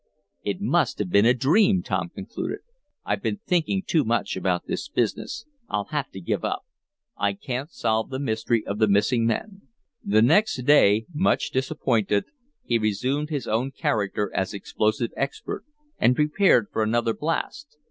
"It must have been a dream," Tom concluded. "I've been thinking too much about this business. I'll have to give up. I can't solve the mystery of the missing men." The next day, much disappointed, he resumed his own character as explosive expert, and prepared for another blast.